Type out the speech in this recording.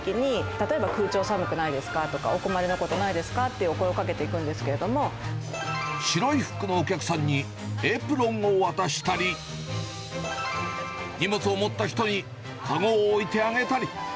例えば、空調寒くないですか？とか、お困りなことないですかって、白い服のお客さんに、エプロンを渡したり、荷物を持った人に籠を置いてあげたり。